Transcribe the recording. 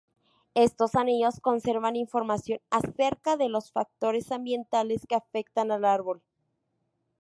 Estos anillos conservan información acerca de los factores ambientales que afectan al árbol.